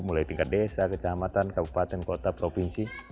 mulai tingkat desa kecamatan kabupaten kota provinsi